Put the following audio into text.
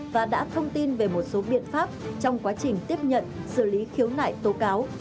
và đã thông tin về một số biện pháp trong quá trình tiếp nhận xử lý khiếu nại tố cáo